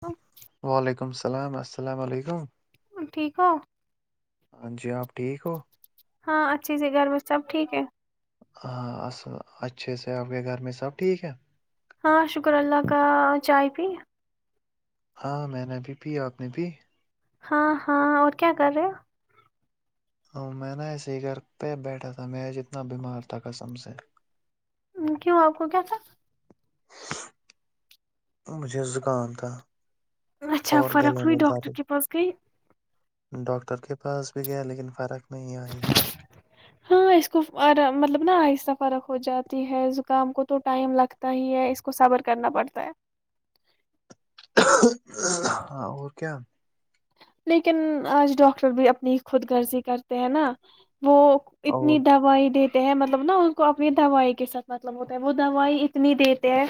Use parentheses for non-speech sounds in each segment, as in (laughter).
ہ (inaudible) وعلیکم السلام السلام علیکم ٹھیک ہے (unintelligible) ہاں جی آپ ٹھیک ہو ہاں اچھی سے گھر میں سب ٹھیک ہے ہاں اصل اچھے سے آپ کے گھر میں سب ٹھیک ہے ہاں شکر اللہ کا چائے پی ہاں میں نے ابھی پ آپ نے بھی ہاں ہاں اور کیا کر رہے ہو میں ن سییک کر پہ بیٹھا تھا م ج اتنا بیمار تھا قسم سے کیوں آپ کو کیا تھا مجھے زکام تھا اچھا اور فرق گلے میں رود درد ڈاکٹر کے کے پاس گئی ڈاکٹر کے پاس بھی گیا لیکن فرق نہیں آئی ہاں اس کو مطلب نا آہستہ فرق ہو جاتی ہے زکام کو تو ٹائم لگتا ہی ہے اس کو صبر کرنا پڑتا ہے ہاں اور کیا لیکن آج ڈاکٹر بھی اپنی خود غضی کرتے ہیں نا وہ اور اتنی دوائی دیتی ہیں مطلب نا ان کو اپنی دوائی کے ساتھ مطلب ہوتا ہے وہ دوائی اتنی دیتے ہیں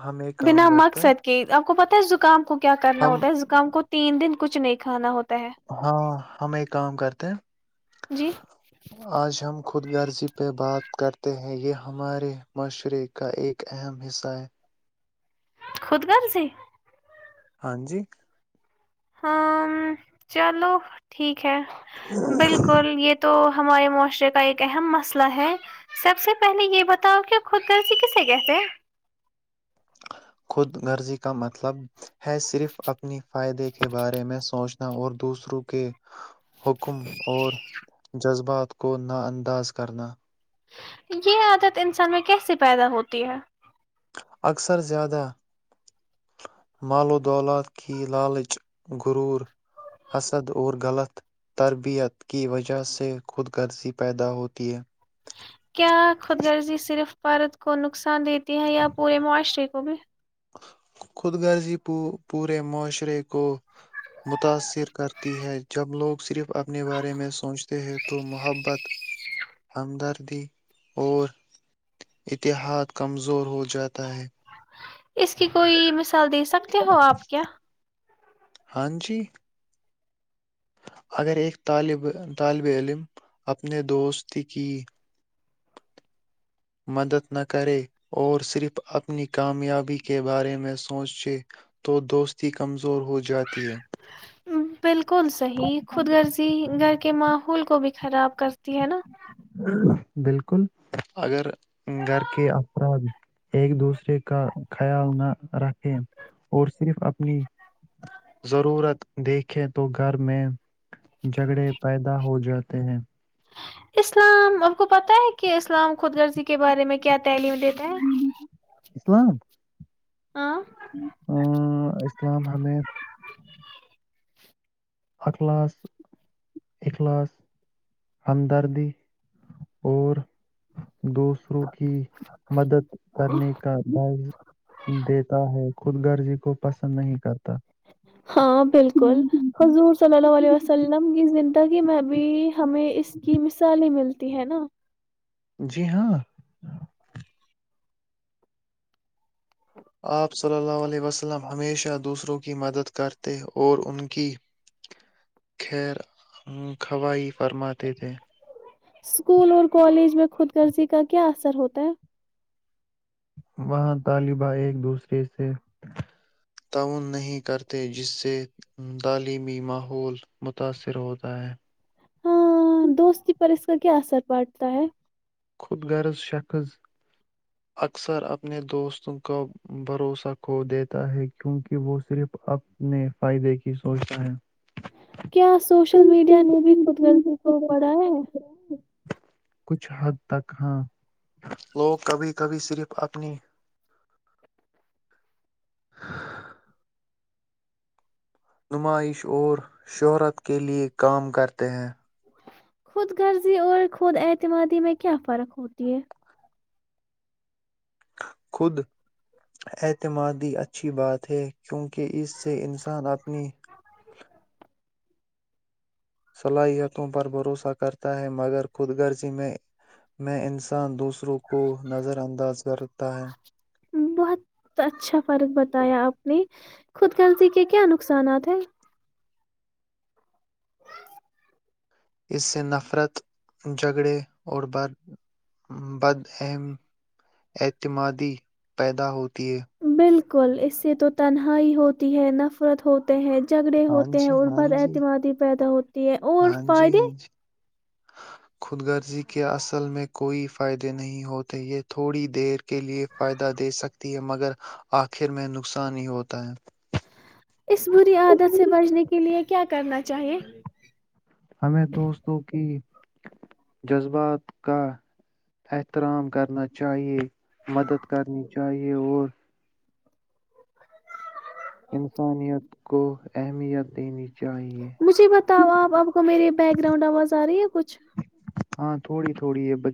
ہ (unintelligible) بنا مقصد کے آپ کو پتا زکام کو کیا کرنا ہم ہوتا ہے زکام کو تین دن کچھ نہیں کھانا ہوتا ہے ہاں ہم ایک کام کرتے ہیں جی آج ہم (unintelligible) خود غضی پہ بات کرتے ہیں یہ ہمارے معاشرے کا ایک اہم حصہ ہے خوود غرضی ہاں جی ہاں چلو ٹھیک ہے بالکل یہ تو ہمارے معاشرے کا ایک اہم مسئلہ ہے سب سے پہلے یہ بتاؤ کہ خود گرضی کسے کہتے ہیں خود رزی کا مطلب ہے صرف اپنے فائدے کے بارے میں سوچنا اور دوسروں کے حکم اور جذبات کو نا انداز کرنا یہ عادت انسان میں کیسے پیدا ہوتی ہے اکثر زیادہ مال و دولت کی لالچ گرور حسد اور غلط تربیت کی وجہ سے خود غرضی پیدا ہوتی ہے کیا خود گرضی صرف بارت کو نقصان دیتی ہیں یا پورے معاشرے کب خود غرضی پ پورے معاشرے کو متاثر کرتی ہے جب لوگ صرف اپنے بارے میں سوچتے ہیں تو محبت ہمدردی اور اتحاد کمزور ہو جاتا ہے اس کی کوئی م س دے سکتے ہو آپ کیا ہاں جی اگر ایک طالب علم اپنے دوستی کی مدد نہ کرے اور صرف اپنی کامیابی کے بارے میں سوچے تو دوستی کمزور ہو جاتی ہے بالکل صحی خود رضی گھر کے ماحول کو بھی خراب کرتی ہے نا بالکل اگر گھر کے افراد ایک دوسرے کا خیال نہ رکھے اور صرف اپنی ضرورت دیکھیں تو گھر میں جگڑے پیدا ہو جات (unintelligible) اسلام آپ کو پتہ ہے کہ اسلام خود رضی کے بارے میں کیا تعلیم دیتا ہے (unintelligible) ہا ا اسلام حمید اخلاص اخلاص ہمدردی اور دوسروں کی مدد کرنے کا دائ دیتا ہے خود گرجی کو پسند نہیں کرتا ہاں بالکل حضور صلی اللہ علیہ وسلم کی زندگی میں بھی ہمیں اس کی مثالیں ملتی ہے نا جی ہاں آپ صلی اللہ علیہ وسلم ہمیشہ دوسروں کی مدد کرتے اور ان کی خیر خوائی فرماتے تھے اسکول اور کالج میں خود کررضی کا کیا اثر ہوتا ہے وہاں طالبہ ایک دوسرے سے تعاون نہیں کرتے جس سے تعلیمی ماحول متاثر ہوتا ہے ہاں دوستی پر اس کا کیا اثر پٹتا ہے خود غرض شخص اکثر اپنے دوستوں کا بھروسہ کھو دیتا ہے کہ کیونکہ وہ صرف اب نے فائدے کی سوچتا ہے کیا سوشل میڈیا نے بھی خود گردی کو پڑھایا ہے حد تک ہاں لوگ کبھی کبھی صرف اپنی (unintelligible) نمائش اور شہرت کے لیے کام کرتے ہیں خود غرضی اور خود اعتمادی میں کیا فرق ہوتی ہے خود اعتمادی اچھی بات ہے کیونکہ اس سے انسان اپنی صلاحیتوں پر بھروسہ کرتا ہے مگر خود غرضی میں میں انسان دوسروں کو نظر انداز کرتا ہے بہت اچھا فرق بتایا آپ نے خودکرضی کے کیا نقصانات ہیں اس سے نفرت جھگڑے اور بد اہم اعتمادی پیدا ہوتی (unintelligible) کل اس سے تو تنہائی ہوتی ہے نفرت ہو ہو ہیں جھگڑے ہاں ہوتے ہیں جی اور ہاں بد جی اعتمادی پیدا ہوتی ہے اور ہاں جی فائدے ہاں جی خود غرضی کے اصل میں کوئی فائدے نہیں ہوتے یہ تھوڑی دیر کے لیے فائدہ دے سکتے ہے مگر آخر میں نقصان ہی ہوتا ہے اس بری عادت سے بچنے کے لیے کیا کرنا چاہیےفیس ہمیں دوستوں کی جذبات کا احترام کرنا چاہیے مدد کرنی چاہیے اور انسانیت کو اہمیت دینی چاہیے مجھے بتاؤ آپ آپ کو میری بیک گراؤنڈ آواز آ رہی ہے کچھ ہاں تھوڑی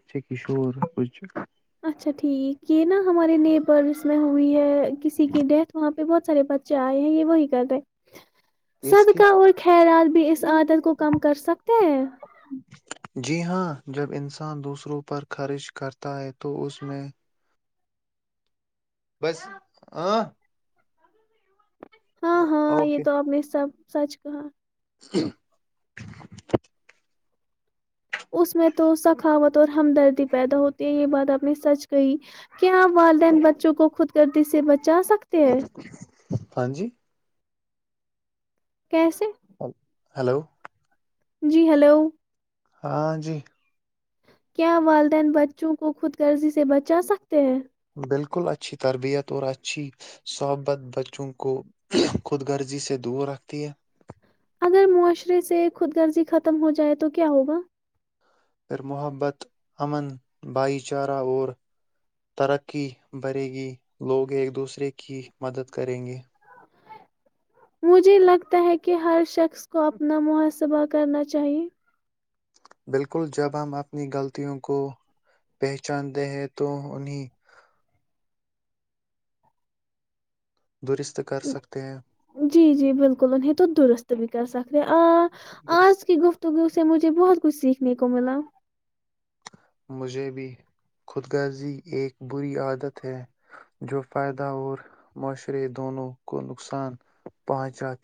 (unintelligible) اچھا ٹھیک یہ نا ہمارے نیبرس میں ہوئی ہے کسی کی ڈیتھ وہاں پہ پ بہت سارے بچے آئے ہیں یہ وہی کر رہے اس کی صدقہ اور خیرات بھی اس عادت کو کم کر سکتے ہیں جی ہاں جب انسان دوسروں پر خرچ کرتا ہے تو اس میں بس ہ ہاں ہاں یہ اوکے تو اپنے سب سچ کہاں ہ (inaudible) اس میں تو سخاوت اور ہمدردی پیدا ہوتی ہے یہ بات آپ نے سچ کہی کیا یہاں والدین بچوں کو خود کر سے بچے (unintelligible) جا سکتے ہیں ہاں جی کیسے ہلو جی ہلو ہاں جی کیا والدین بچوں کو خود غرضی سے بچا سکتے ہیں بالکل اچھی تربیت اور اچھی صحبت بچوں کو خود غرضی سے دور رکھتی ہے اگر معاشرے سے خود غرزی ختم ہو جائے تو کیا ہوگا پھر محبت امن بھائی چارہ اور ترقی بھرے گی لوگ ایک دوسرے کی مدد کریں گے مجھے لگتا ہے کہ ہر شخص کو اپنا محاسبہ کرنا چاہیے بالکل جب ہم اپنی غلطیوں کو پہچانتے ہیں تو انہیں درست کر سکتے ہیں جی جی بالکل انہیں تو درست بھی کر سکتے آ درست۔ آج کی گفتگو سے مجھے بہت کچھ سیکھنے کو ملا مجھے بھی خودگغر زی ایک بری عادت ہے جو فائدہ اور معاشرے دونوں کو نقصان پہنچات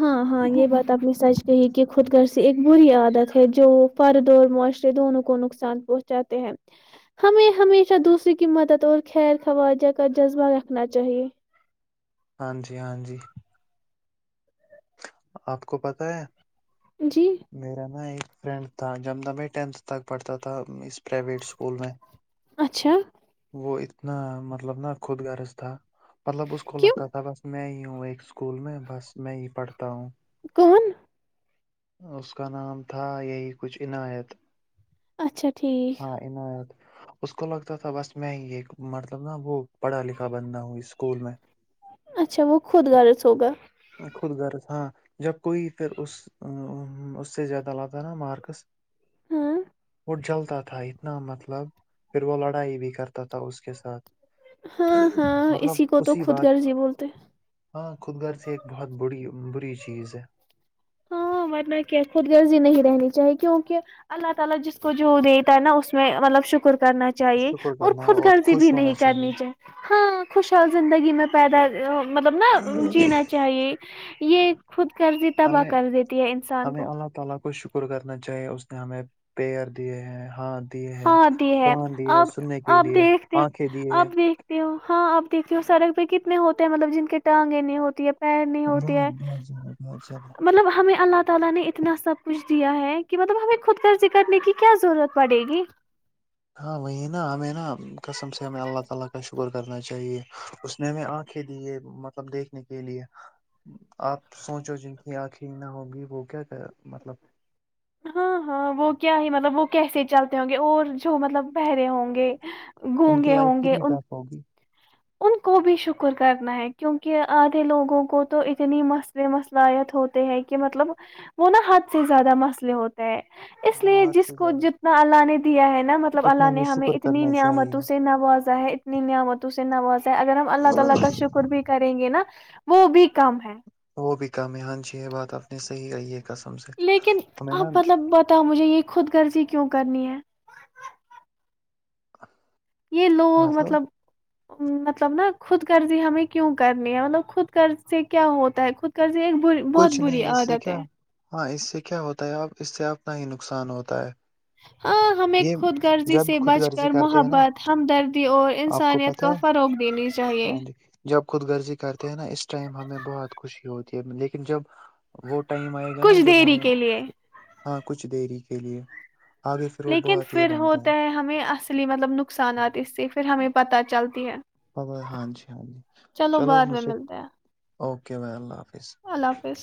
ہاں ہاں یہ بات آپ نے سچ کہی کہ خود غرض سے ایک بری عادت ہے جو فرد اور معاشرے دونوں کو نقصان پہنچاتے ہیں ہمیں ہمیشہ دوسرے کی مدد اور خیر خواجہ کا جذبہ رکھنا چاہیے ہاں جی ہاں جی آپ کو پتہ ہے جی میرا نا ایک فرینڈ تھا ج میں ٹینتھ تک پڑھتا تھا اس پرائیویٹ اسکول میں اچھا وہ اتنا مطلب ن خود غرض تھا مطلب اس کو کیوں لگتا تھا بس میں ہی ہوں ایک اسکول میں بس میں ہی پڑھتا ہوں کون اس کا نام تھا یہی کچھ عنایت اچھا ٹھیک ہاں عنایت اس کو لگتا تھا بس میں یہ مطلب نا وہ پڑھا لکھا بندہ ہوں اسکول میں اچھا وہ خود غرض ہوگا خود گغرض ہاں جب کوئی پھر اس اس سے زیادہ لاتا نا مارکس ہاں وہ جلتا تھا اتنا مطلب پھر وہ لڑائی بھی کرتا تھا اس کے ساتھ ہاں ہاں مطلب کو تو اسی خود بات غرضی بولتے ہاں خود گھر سے ت بڑی بری چیز ہے ہاں ورنہ کیا خود غرضی نہیں رہنی چاہیے کیونکہ اللہ تعالی جس کو جو دیتا ہے نا اس میں مطلب شکر کرنا چاہیے شکر اور کرنا خود گغضی بھی خوش ہونا نہیں کرنی چاہیے ہاں خوشحال زندگی میں پیدا ا مطلب نا جینا چاہیے یہ خود کرضی تبق ہمیں کر دیتی ہے انسان ہمیں کو اللہ تعالی کو شکر کرنا چاہیے پیر دیے ہیں ہاتھ دیے ہیں ہاں د ہے کان دیے ہیں آپ سننے کے آپ لیے دیکھتے آنکھیں دیے آپ ہیں۔ دیکھتے ہو ہاں اب دیکھی ہو سڑک پہ کتنے ہوتے ہیں مطلب جن کے ٹانگیں نہیں ہوتی ہے پیر نہیں ہوتی ہے بہت بہت زیادہ بہت زیادہ مطلب ہمیں اللہ تعالی نے اتنا سب کچھ دیا ہے کہ مطلب ہمیں خودگر ذکر نہیں کی کیا ضرورت پڑے گی ہاں وہی نا ہمیں نا کسم سے ہمیں اللہ تعالی کا شکر کرنا چاہیے اس نے ہمیں آنکھیں دیے مطلب دیکھنے کے لیے آپ سوچو جن کی آنکھیں نہ ہوگی وہ کیا کر مطلب ہاں ہاں وہ کیا ہی مطلب وہ کیسے چلتے ہوں گے اور جو مطلب بہرے ہوں گے ان کی گونگے لائف ہوں کت گے نہیں ان ٹف ہوگی ان کو بھی شکر کرنا ہے کیونکہ آدھے لوگوں کو تو اتنی مسئلے مسلحیت ہوتے ہیں کہ مطلب وہ نا حد سے زیادہ مسئلے ہوتے ہے اس ہاں لیے حد جس سے کو زیادہ جتنا اللہ نے دیا ہے نا مطلب اللہ اتنے میں نے ہمیں شکر اتنی کرنا نعمتوں چاہیے سے نوازا ہے اتنی نعمتوں سے آگر ہم اللہ تعالا کا شکر بھی کرینگے نا وہ بھی کم ہے صی آئیے لیکن اب مطلب بتاؤ مجھے یہ خود گغضی کیوں کرنی ہے یہ لوگ مطلب مطلب نا خود کررضی ہمیں کیوں کرنی ہے مطلب خود قرض سے کیا ہوتا ہے خود کررضی ایک بری بہت کچھ بری نہیں اس سے عادت کیا ہے ہاں اس سے کیا ہوتا ہے اپ اس سے اپنا ہی نقصان ہوتا ہے ہاں ہمیں یہ خود غرضی جب سے خود بچ گغرضی کر کرتے ہیں نا محبت ہمدردی اور آپ کو انسانیت پت کا ہے فروغ دینی چاہیے ہاں جی جب خود گرضی کرتے ہیں نا اس ٹائم ہمیں بہت خوشی ہوتی (unintelligible) لیکن جب وہ ٹائم آئے گا نا کچھ جب دیری ہمیں کے لیے ہاں کچھ دری کے لیے آگے پھر وہ لیکن بہت یہ پھر بنتا ہوتا ہے ہمیں اصلی مطلب نقصانات اس سے پھر ہمیں پتہ چلتی ہے ہاں جی ہاں جی چلو بعد میں ملتا ہے اوکے بھائی اللہ حافظ اللہ حافظ